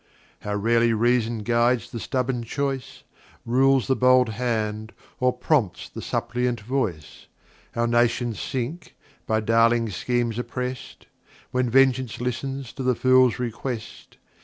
How rarely Reason guides the stubborn Choice, Rules the bold Hand, or prompts the suppliant Voice, How Nations sink, by darling Schemes oppress'd, When Vengeance listens to the Fool's Request.